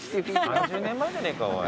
何十年前じゃねえかおい。